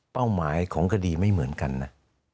หมายของคดีไม่เหมือนกันนะ